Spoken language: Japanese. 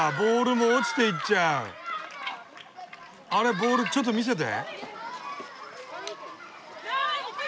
ボールちょっと見せて。